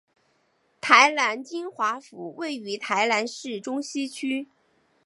台南金华府位于台南市中西区。